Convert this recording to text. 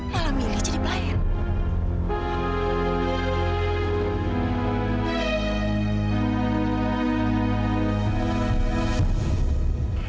malah milih jadi pelayan